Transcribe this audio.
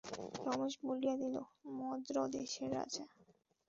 রমেশ বলিয়া দিল, মদ্রদেশের রাজা।